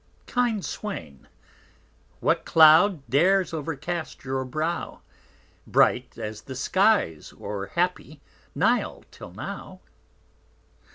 Kind Swain, what Cloud dares overcast your brow, Bright as the Skies o're happy_ Nile _till now!